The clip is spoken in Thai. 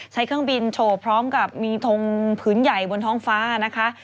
เครื่องบินโชว์พร้อมกับมีทงผืนใหญ่บนท้องฟ้านะคะ